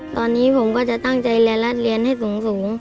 ตอนนี้ผมก็จะตั้งใจเรียนและเรียนให้สูง